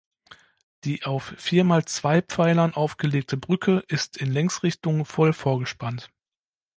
Die auf vier mal zwei Pfeilern aufgelegte Brücke ist in Längsrichtung voll vorgespannt.